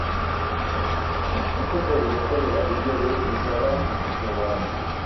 Hijo predilecto de la Villa de Isaba, Navarra.